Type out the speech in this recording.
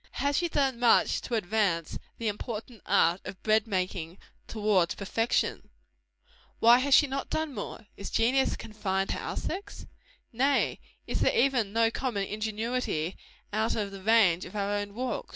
Has she done much to advance the important art of bread making towards perfection? Why has she not done more? Is genius confined to our sex? Nay, is there even no common ingenuity out of the range of our own walks?